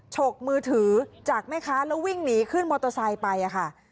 ฉกมือถือจากแม่ค้าแล้ววิ่งหนีขึ้นมอเตอร์ไซค์ไปค่ะ